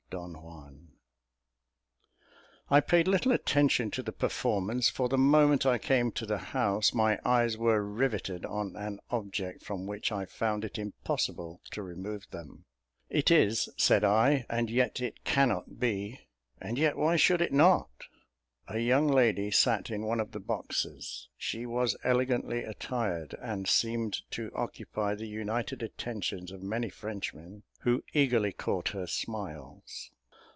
Don Juan. I paid little attention to the performance; for the moment I came to the house, my eyes were rivetted on an object from which I found it impossible to remove them. "It is," said I, "and yet it cannot be; and yet why should it not?" A young lady sat in one of the boxes; she was elegantly attired, and seemed to occupy the united attentions of many Frenchmen, who eagerly caught her smiles.